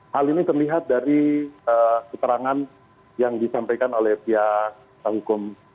hal ini terlihat dari keterangan yang disampaikan oleh pihak hukum